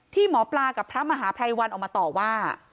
ที่หมอปลากับพระมหาภัยวันออกมาต่อว่า